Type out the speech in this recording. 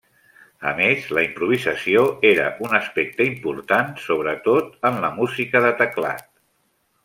A més, la improvisació era un aspecte important, sobretot en la música de teclat.